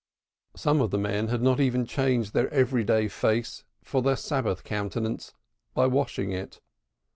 Some of the men had not even changed their everyday face for their Sabbath countenance by washing it.